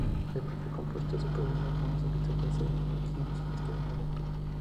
El propio compositor se presentó como solista; Joseph Joachim estuvo en la batuta.